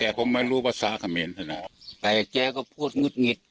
แต่ผมไม่รู้ภาษาเขมรธนาแต่เจ๊ก็พูดงุดหงิด